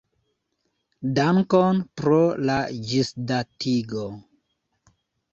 Dankon pro la ĝisdatigo.